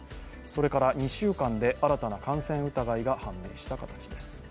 それから２週間で新たな感染疑いが判明した形です。